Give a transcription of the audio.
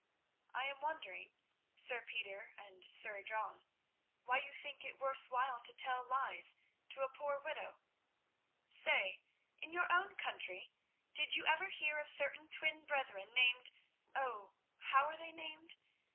"I am wondering, Sir Peter and Sir John, why you think it worth while to tell lies to a poor widow? Say, in your own country did you ever hear of certain twin brethren named—oh, how are they named?